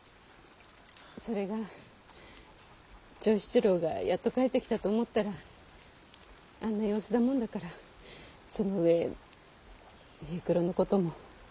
それが長七郎がやっと帰ってきたと思ったらあんな様子だもんだからその上平九郎のことも。